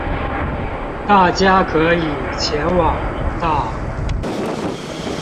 大家可以前往頻道